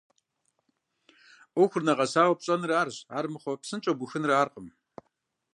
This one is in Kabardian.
Ӏуэхур нэгъэсауэ пщӀэныр арщ, армыхъумэ псынщӀэу бухыныр аркъым.